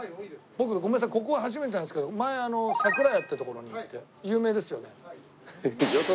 僕ここは初めてなんですけど前桜家っていう所に行って有名ですよね。